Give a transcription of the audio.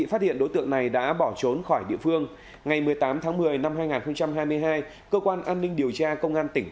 huyện này đã bỏ trốn khỏi địa phương ngày một mươi tám tháng một mươi năm hai nghìn hai mươi hai cơ quan an ninh điều tra công an tỉnh